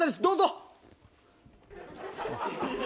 どうぞ！